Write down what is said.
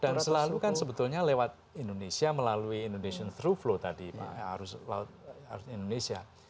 dan selalu kan sebetulnya lewat indonesia melalui indonesian through flow tadi pak arus indonesia